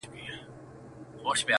له باڼو تر ګرېوانه د اوښكو كور دئ!.